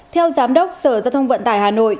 theo giám đốc sở giao thông vận tải hà nội